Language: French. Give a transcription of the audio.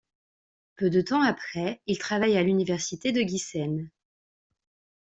Peu de temps après, il travaille à l'université de Giessen.